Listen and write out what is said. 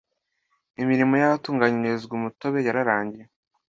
imirimo y’ahatunganyirizwa umutobe yarangiye